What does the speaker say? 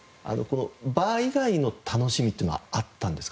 バー以外の楽しみっていうのはあったんですか？